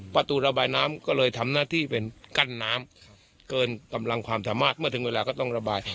ประตูระบายน้ำก็เลยทำหน้าที่เป็นกั้นน้ำเกินกำลังความสามารถเมื่อถึงเวลาก็ต้องระบาย